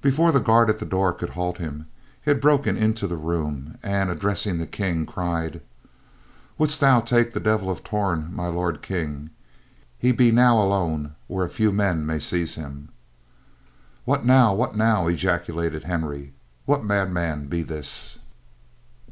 Before the guard at the door could halt him, he had broken into the room and, addressing the King, cried: "Wouldst take the Devil of Torn, My Lord King? He be now alone where a few men may seize him." "What now! What now!" ejaculated Henry. "What madman be this?"